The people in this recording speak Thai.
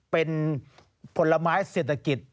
เป็นผลไม้เศรษฐกิจ